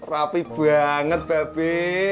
rapi banget babe